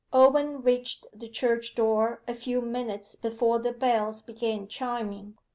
Owen reached the church door a few minutes before the bells began chiming.